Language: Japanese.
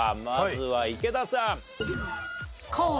まずは池田さん。